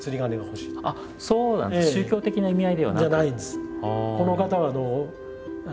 宗教的な意味合いではなく？じゃないんです。